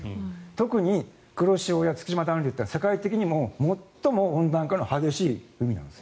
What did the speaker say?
特に黒潮や対馬暖流は世界的にも最も温暖化の激しい海なんです。